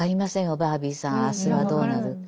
バービーさん明日がどうなるか。